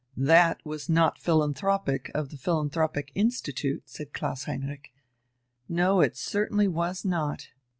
"That was not philanthropic of the philanthropic institute," said Klaus Heinrich. "No, it certainly was not."